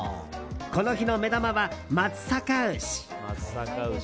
この日の目玉は松阪牛。